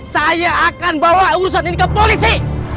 saya akan bawa urusan ini ke polisi